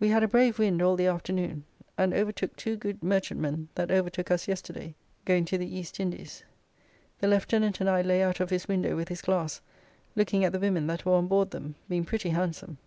We had a brave wind all the afternoon, and overtook two good merchantmen that overtook us yesterday, going to the East Indies. The lieutenant and I lay out of his window with his glass, looking at the women that were on board them, being pretty handsome.